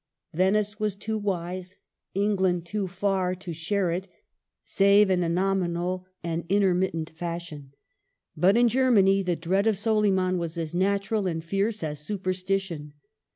Venice was too wise, England too far, to share it, save in a nominal and intermittent fash ion ; but in Germany the dread of Soliman was as natural and fierce as superstition.